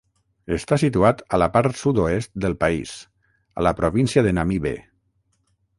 Està situat a la part sud-oest del país, a la província de Namibe.